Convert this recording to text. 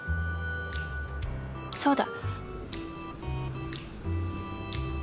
そうだ！